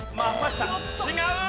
違う！